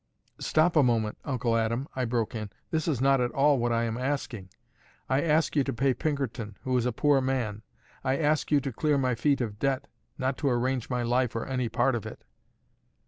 "Stop a moment, Uncle Adam," I broke in. "This is not at all what I am asking. I ask you to pay Pinkerton, who is a poor man. I ask you to clear my feet of debt, not to arrange my life or any part of it."